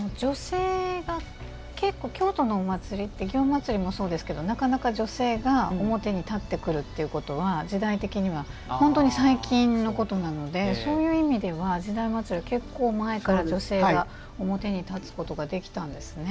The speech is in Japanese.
結構京都のお祭りって祇園祭もそうですけどなかなか女性が表に立ってくるということは時代的には本当に最近のことなのでそういう意味では「時代祭」は結構前から女性が表に立つことができたんですね。